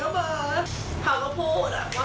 แค่คนทำงานกลับบ้าน